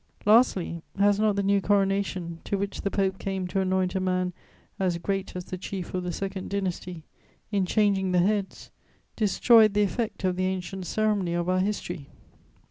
"Lastly, has not the new coronation, to which the Pope came to anoint a man as great as the chief of the Second Dynasty, in changing the heads, destroyed the effect of the ancient ceremony of our history?